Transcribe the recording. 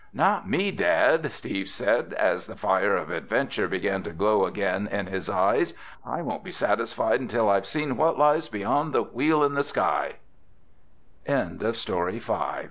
"Not me, Dad," Steve said, as the fire of adventure began to glow again in his eyes. "I won't be satisfied until I've seen what lies beyond the Wheel in the Sky!" _DANGER ON THE IC